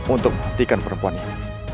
untuk menghentikan perempuan ini